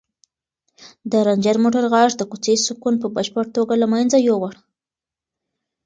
د رنجر موټر غږ د کوڅې سکون په بشپړه توګه له منځه یووړ.